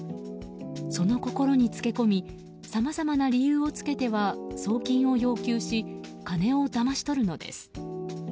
その心につけ込みさまざまな理由をつけては送金を要求し金をだまし取るのですう。